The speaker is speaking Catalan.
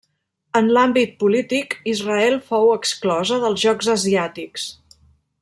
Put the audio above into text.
En l'àmbit polític, Israel fou exclosa dels Jocs Asiàtics.